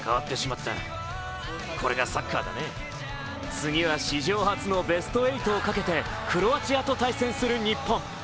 次は史上初のベスト８をかけてクロアチアと対戦する日本。